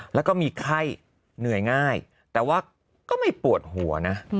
แล้วก็มีไข้เหนื่อยง่ายแต่ว่าก็ไม่ปวดหัวนะ